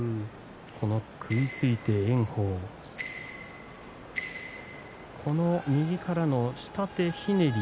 食いついて炎鵬右からの下手ひねり